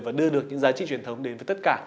và đưa được những giá trị truyền thống đến với tất cả